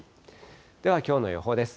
ではきょうの予報です。